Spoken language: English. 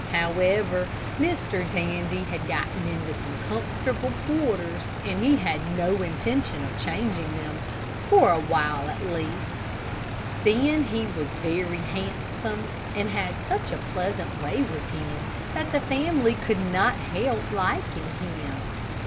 However, Mr. Dandy had gotten into comfortable quarters, and he had no intention of changing them, for a while at least. Then he was very handsome, and had such a pleasant way with him, that the family could not help liking him.